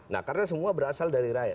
nah karena semua berasal dari rakyat